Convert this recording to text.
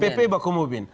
pp baku mubin